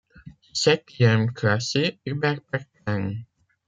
Septième classé: Hubert Perkins.